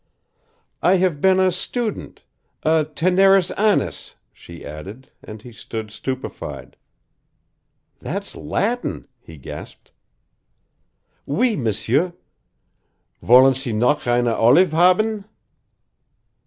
"I have been a student a TENERIS ANNIS," she added, and he stood stupefied. "That's Latin!" he gasped. "Oui, M'sieur. Wollen Sie noch eine Olive haben?"